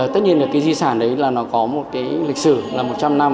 tất nhiên là cái di sản đấy là nó có một cái lịch sử là một trăm linh năm